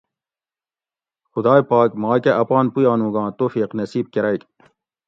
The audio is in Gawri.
خدائے پاک ماکہ اپان پویانوگاں توفیق نصیب کۤرگ